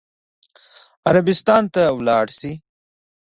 عربستان ته ولاړ شي.